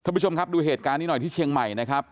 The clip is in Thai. ผู้ชมครับดูเหตุการณ์นี้หน่อยที่เชียงใหม่นะครับ